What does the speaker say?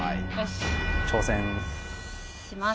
挑戦します！